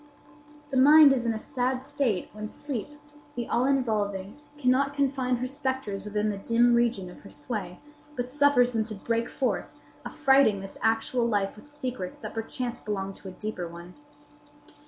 The mind is in a sad state when Sleep, the all involving, cannot confine her spectres within the dim region of her sway, but suffers them to break forth, affrighting this actual life with secrets that perchance belong to a deeper one.